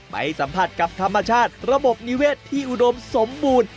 ไปสัมผัสกับธรรมชาติระบบนิเวศที่อุดมสมบูรณ์